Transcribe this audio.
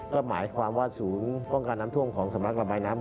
ก็หมายความว่าศูนย์ป้องกันน้ำท่วมของสำนักระบายน้ำ